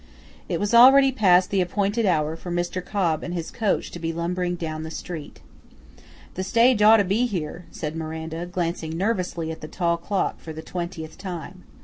It was already past the appointed hour for Mr. Cobb and his coach to be lumbering down the street. "The stage ought to be here," said Miranda, glancing nervously at the tall clock for the twentieth time.